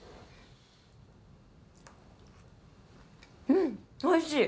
うんおいしい！